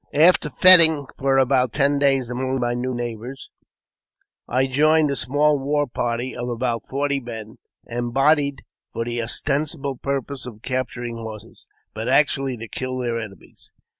AFTER feting for about ten days among my new neigh bours, I joined a small war party of about forty men, embodied for the ostensible purpose of capturing horses, but actually to kill their enemies.